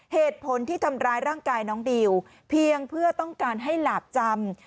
เหตุผลที่ทำร้ายร่างกายน้องดิวเพียงเพื่อต้องการให้หลาบจำ